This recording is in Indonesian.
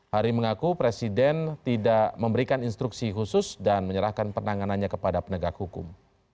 hari mengaku presiden tidak memberikan instruksi khusus dan menyerahkan penanganannya kepada penegak hukum